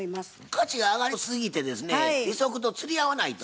価値が上がりすぎてですね利息と釣り合わないと。